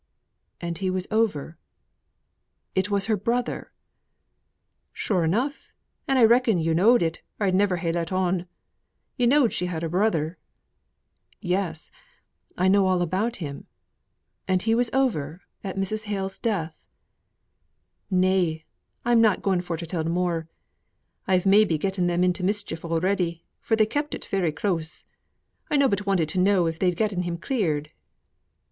"And he was over. It was her brother." "Sure enough, and I reckoned yo' knowed it, or I'd never ha' let on. Yo' knowed she had a brother?" "Yes, I know all about him. And he was over at Mrs. Hale's death?" "Nay! I'm not going for to tell more. I've maybe getten them into mischief already, for they kept it very close. I nobbut wanted to know if they'd getten him cleared?"